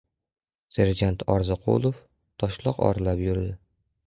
Serjant Orziqulov toshloq oralab yurdi.